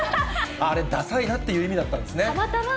あれ、ダサいなって意味だったんですね。